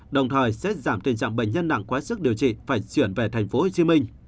đồng thời sẽ giảm tình trạng bệnh nhân nặng quá sức điều trị phải chuyển về tp hcm